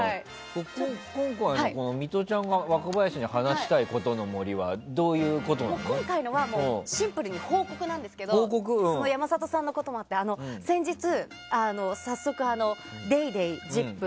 今回の、ミトちゃんが若林に話したいことの森は今回のはシンプルに報告なんですけど山里さんのこともあって先日、早速「ＤａｙＤａｙ．」と「ＺＩＰ！」